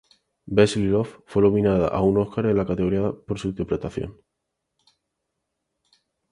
Bessie Love fue nominada a un Óscar en la categoría de por su interpretación.